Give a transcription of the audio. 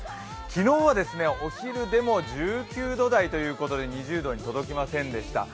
昨日はお昼でも１９度台ということで２０度に届きませんでした。